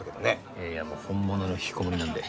いやいやもう本物の引きこもりなんで。